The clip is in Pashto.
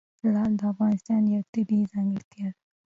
لعل د افغانستان یوه طبیعي ځانګړتیا ده.